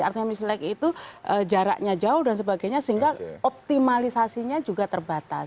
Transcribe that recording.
artinya misleg itu jaraknya jauh dan sebagainya sehingga optimalisasinya juga terbatas